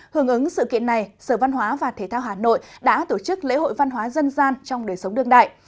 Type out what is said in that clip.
hưởng ứng sự kiện này sở văn hóa và thế thao hà nội đã tổ chức lễ hội văn hóa dân gian trong đời sống đương đại